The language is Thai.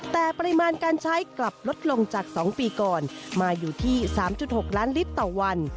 แต่ปริมาณการใช้กลับลดลงจาก๒ปีก่อนมาอยู่ที่๓๖ล้านลิตรต่อวัน